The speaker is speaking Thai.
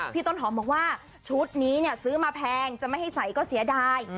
ต้นหอมบอกว่าชุดนี้ซื้อมาแพงจะไม่ให้ใส่ก็เสียดาย